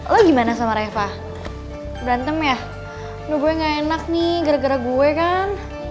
lo gimana sama reva berantem ya lu gue gak enak nih gara gara gue kan